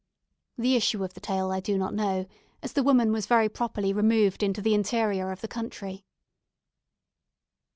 The issue of the tale I do not know, as the woman was very properly removed into the interior of the country.